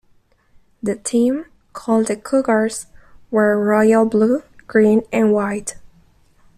The team, called the Cougars, wear royal blue, green and white.